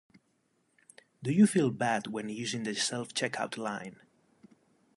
Do you feel bad when using the self-checkout line?